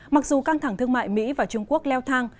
mặc dù căng thẳng thương mại mỹ và trung quốc leo thang